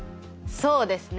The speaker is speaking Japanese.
そうですね！